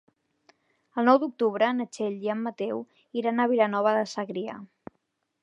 El nou d'octubre na Txell i en Mateu iran a Vilanova de Segrià.